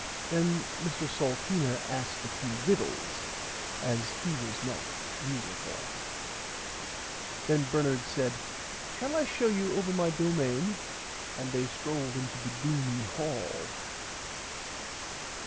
Then Mr Salteena asked a few riddles as he was not musicle. Then Bernard said shall I show you over my domain and they strolled into the gloomy hall.